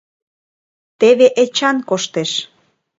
Теве Эчан коштеш.